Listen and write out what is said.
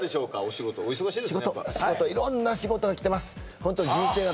仕事仕事色んな仕事がきてます